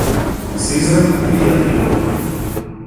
Сызрань — приятный город